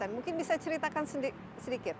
mungkin bisa ceritakan sedikit